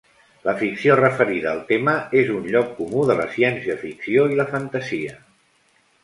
La ficció referida al tema és un lloc comú de la ciència-ficció i la fantasia.